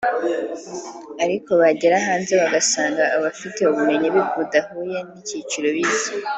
ariko bagera hanze bagasanga bafite ubumenyi budahuye n’icyiciro bize